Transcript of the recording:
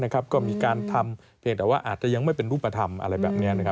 ก็มีการทำเพียงแต่ว่าอาจจะยังไม่เป็นรูปธรรมอะไรแบบนี้